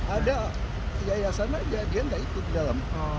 ada yayasan aja dia enggak itu di dalam